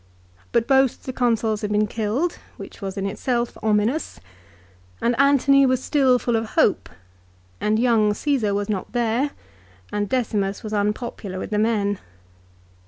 But both the Consuls had been killed, which was in itself ominous, and Antony was still full of hope, and young Csesar was not there, and Decimus was unpopular with the men.